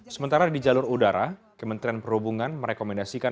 sementara di jalur udara kementerian perhubungan merekomendasikan